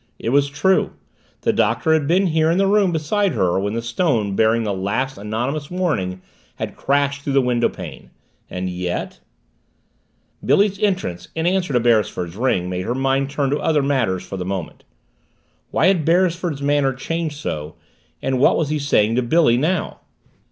It was true the Doctor had been here in the room beside her when the stone bearing the last anonymous warning had crashed through the windowpane. And yet Billy's entrance in answer to Beresford's ring made her mind turn to other matters for the moment. Why had Beresford's manner changed so, and what was he saying to Billy now?